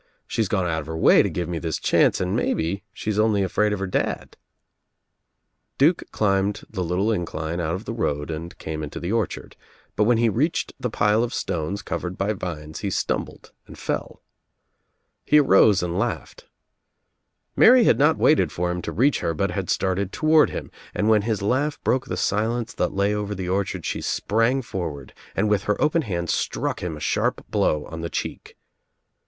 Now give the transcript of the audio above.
She's gone out of her way to give me this chance and maybe she's only afraid of her dad," Duke climbed the little incline out o f the road and came into the orchard, but when he reached the pile of stones covered by vines he stumbled and fell. He arose and laughed. Mary had not waited for him to reach her but had started toward him, and when his laugh J)roke the silence that lay over the orchard she sprang brward and with her open hand struck him a sharp 76 THE TRIUMPH OF THE EGG blow on the cheek.